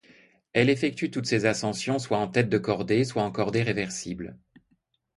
Elle effectue toutes ses ascensions soit en tête de cordée, soit en cordée réversible.